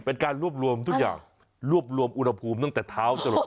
เป็นการรวบรวมทุกอย่างรวบรวมอุณหภูมิตั้งแต่เท้าจะหลบ